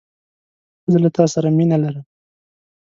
زه له تاسره مینه لرم